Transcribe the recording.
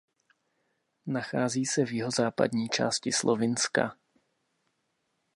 Nachází se v jihozápadní části Slovinska.